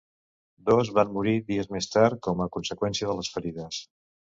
Dos van morir dies més tard com a conseqüència de les ferides.